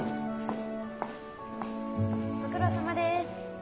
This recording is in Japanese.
・ご苦労さまです。